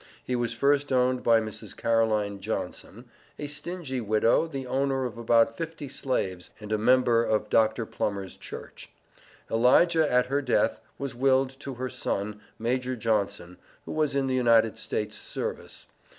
He was first owned by Mrs. Caroline Johnson, "a stingy widow, the owner of about fifty slaves, and a member of Dr. Plummer's church." Elijah, at her death, was willed to her son, Major Johnson, who was in the United States service.